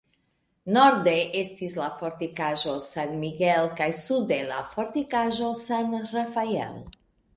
Norde estis la fortikaĵo San Miguel kaj sude la fortikaĵo San Rafael.